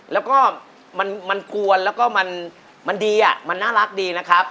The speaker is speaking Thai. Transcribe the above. แล้วก็มันกวนแล้วก็มันดีอ่ะมันน่ารักดีนะครับ